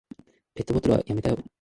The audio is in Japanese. ペットボトルはやめたよ。